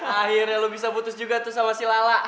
akhirnya lo bisa putus juga tuh sama si lala